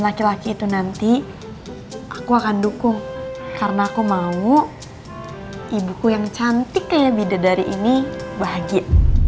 laki laki itu nanti aku akan dukung karena aku mau ibuku yang cantik kayak bidadari ini bahagia